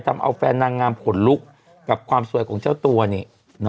ทำเอาแฟนนางงามขนลุกกับความสวยของเจ้าตัวนี่